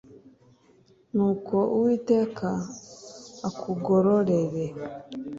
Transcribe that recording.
nuko uwiteka akugororere